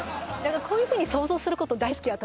こういうふうに想像すること大好き私